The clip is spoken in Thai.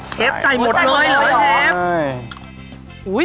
เชฟใส่หมดเลยเลยเชฟ